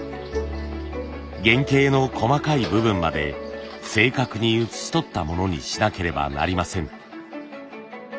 原型の細かい部分まで正確に写し取ったものにしなければなりません。